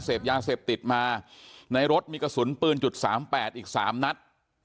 เสพยาเสพติดมาในรถมีกระสุนปืนจุดสามแปดอีกสามนัด